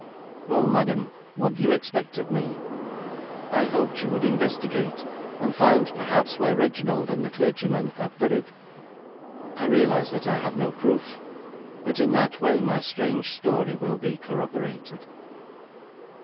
'Well, madam, what do you expect of me?' 'I hoped you would investigate, and find perhaps where Reginald and the clergyman are buried. I realise that I have no proof, but in that way my strange story will be corroborated.'